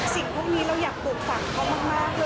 สิ่งพวกนี้เราอยากปลูกฝังเขามากด้วย